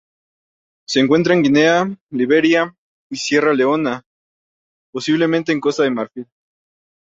Se encuentra en Guinea, Liberia, Sierra Leona y, posiblemente en Costa de Marfil.